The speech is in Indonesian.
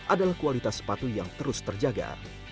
adalah kualitas sepatu yang terus terjaga